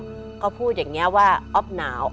เขาก็พูดอย่างนี้ว่าอ๊อฟหนาว